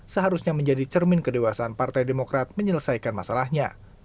seharusnya menjadi cermin kedewasaan partai demokrat menyelesaikan masalahnya